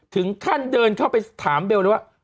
ถึงขั้นเดินเข้าไปถามเบลเลยว่า